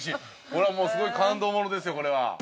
◆これは、もうすごい感動ものですよ、これは。